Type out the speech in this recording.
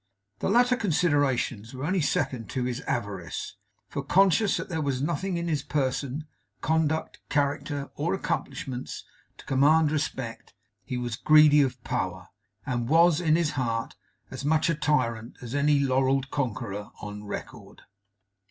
The latter considerations were only second to his avarice; for, conscious that there was nothing in his person, conduct, character, or accomplishments, to command respect, he was greedy of power, and was, in his heart, as much a tyrant as any laureled conqueror on record.